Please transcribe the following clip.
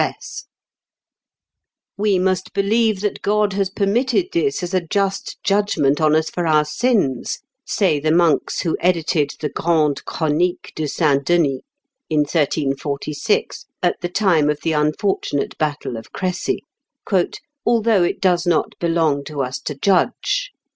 ] "We must believe that God has permitted this as a just judgment on us for our sins," say the monks who edited the "Grande Chronique de St. Denis," in 1346, at the time of the unfortunate battle of Cressy, "although it does not belong to us to judge.